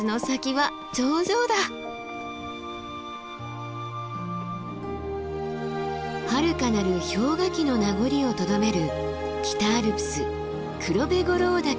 はるかなる氷河期の名残をとどめる北アルプス黒部五郎岳です。